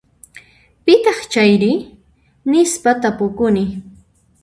Pitaq chayri? Nispa tapukuni.